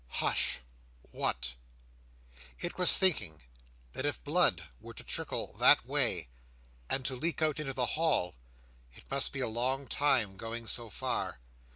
—Hush! what? It was thinking that if blood were to trickle that way, and to leak out into the hall, it must be a long time going so far.